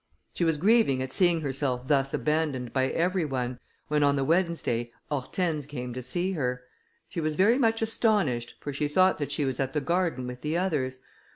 She was grieving at seeing herself thus abandoned by every one, when on the Wednesday Hortense came to see her. She was very much astonished, for she thought that she was at the garden with the others.